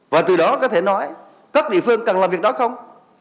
và từ đó có thể nói các địa phương cần làm việc đó không